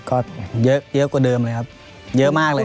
ก็เยอะเยอะกว่าเดิมเลยครับเยอะมากเลยครับ